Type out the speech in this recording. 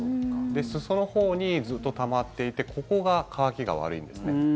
裾のほうにずっとたまっていてここが、乾きが悪いんですね。